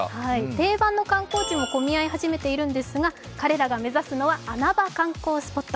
定番の観光地も混み合い始めているんですが、彼らが目指すのは、穴場観光スポット。